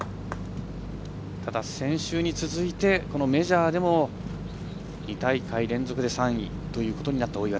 ただ、先週に続いてメジャーでも２大会連続で３位ということになった大岩。